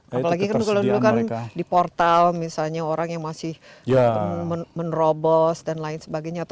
apalagi kan kalau dulu kan di portal misalnya orang yang masih menerobos dan lain sebagainya